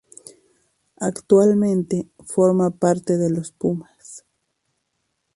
Actualmente, forma parte de Los Pumas.